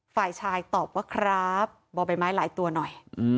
ฝ่ายชายตอบว่าครับบ่อใบไม้หลายตัวหน่อย